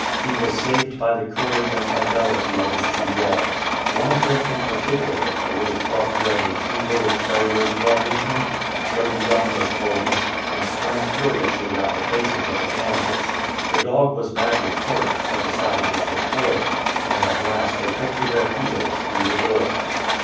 He was saved by the courage and fidelity of his two dogs. One of them in particular, a little cross bred retriever with terrier's blood in him, showed the utmost boldness, and sprang furiously at the faces of the cannibals. The dog was badly hurt, but the savages were foiled, and at last they took to their heels through the door.